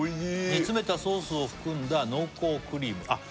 煮詰めたソースを含んだ濃厚クリームあっ